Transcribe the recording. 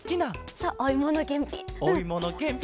そうおいものけんぴ。